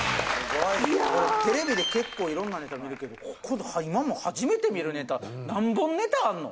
テレビで結構いろんなネタ見るけど今も初めて見るネタ何本ネタあんの？